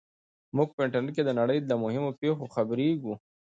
موږ په انټرنیټ کې د نړۍ له مهمو پېښو خبریږو.